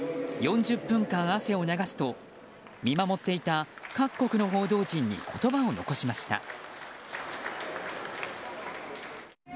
４０分間、汗を流すと見守っていた各国の報道陣に言葉を残しました。